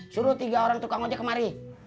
suruh tiga orang tukang ojek kemari